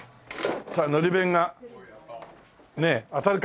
さあのり弁がねえ当たるか？